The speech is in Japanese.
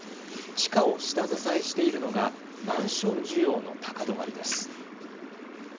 地価を下支えしているのがマンション需要の高止まりです。